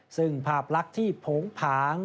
ซึ่งภาพลักษณ์ที่โผงผาง